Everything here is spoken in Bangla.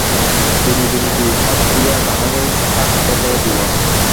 বিনোদিনী দুই হাত দিয়া তাহাকে খাট দেখাইয়া দিল।